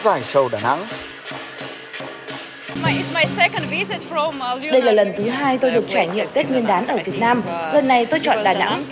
đây là lần thứ hai tôi được trải nghiệm tết nguyên đán ở việt nam lần này tôi chọn đà nẵng